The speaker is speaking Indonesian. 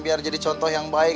biar jadi contoh yang baik